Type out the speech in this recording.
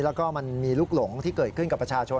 แล้วก็มันมีลูกหลงที่เกิดขึ้นกับประชาชน